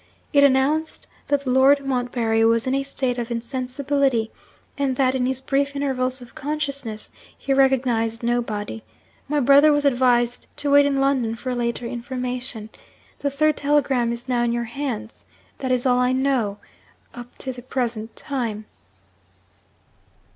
It announced that Lord Montbarry was in a state of insensibility, and that, in his brief intervals of consciousness, he recognised nobody. My brother was advised to wait in London for later information. The third telegram is now in your hands. That is all I know, up to the present time.'